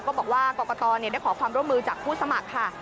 บอกว่ากรกตได้ขอความร่วมมือจากผู้สมัครค่ะ